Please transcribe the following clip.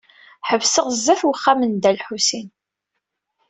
Ḥebseɣ sdat wexxam n Dda Lḥusin.